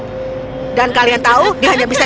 dan kemudian aku akan membawa putrinya ke rumah